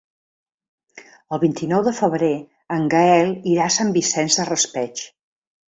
El vint-i-nou de febrer en Gaël irà a Sant Vicent del Raspeig.